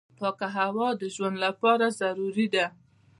پاکه هوا د ژوند لپاره ضروري ده.